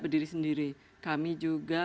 berdiri sendiri kami juga